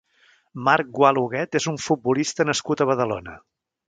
Marc Gual Huguet és un futbolista nascut a Badalona.